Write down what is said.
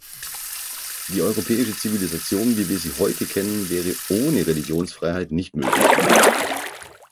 Die europäische Zivilisation, wie wir sie heute kennen, wäre ohne Religionsfreiheit nicht möglich.